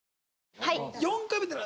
はい。